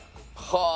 はあ！